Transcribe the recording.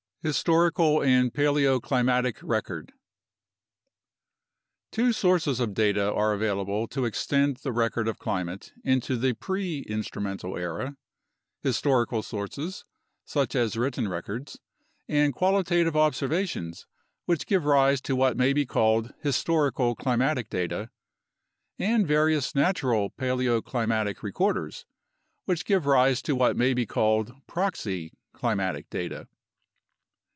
HISTORICAL AND PALEOCLIMATIC RECORD Two sources of data are available to extend the record of climate into the pre instrumental era: historical sources, such as written records, and qualitative observations, which give rise to what may be called "historical" climatic data; and various natural paleoclimatic recorders, which give rise to what may be called "proxy" climatic data.